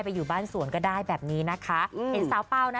อยู่บ้านสวนก็ได้แบบนี้นะคะเห็นสาวเป้านะ